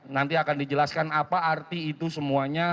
nanti akan dijelaskan apa arti itu semuanya